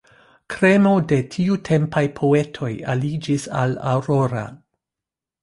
Kremo de tiutempaj poetoj aliĝis al Aurora.